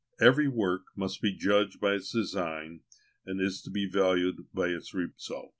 Every work must be judged by its design, and is to be valued by its result.